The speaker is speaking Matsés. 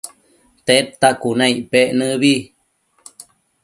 Tedta cuna icpec nëbi